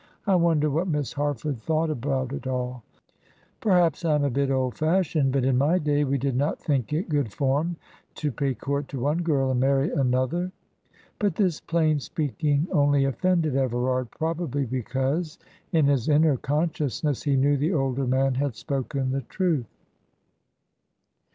I wonder what Miss Harford thought about it all. Perhaps I am a bit old fashioned, but in my day we did not think it good form to pay court to one girl and marry another." But this plain speaking only offended Everard, probably because in his inner consciousness he knew the older man had spoken the truth.